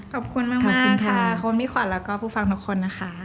ขอบคุณมากจริงค่ะคุณพี่ขวัญแล้วก็ผู้ฟังทุกคนนะคะ